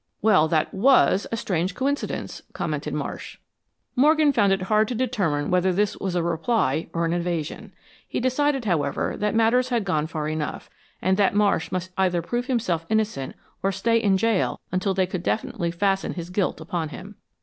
"Well, that WAS a strange coincidence," commented Marsh. Morgan found it hard to determine whether this was a reply or an evasion. He decided, however, that matters had gone far enough, and that Marsh must either prove himself innocent, or stay in jail until they could definitely fasten his guilt upon him.